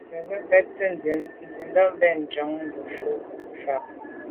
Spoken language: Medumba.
Be ke mbé’te nsindà ben njon lé’njù fa.